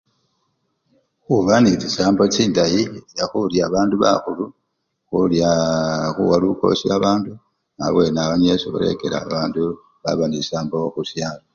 Khuba nechisambo chindayi, khurya bandu bakhulu, khurya! khuwa lukosi bandu bakhulu abwenawo niwo esikhulekela babandu baba nechisambo chindayi khusyalo.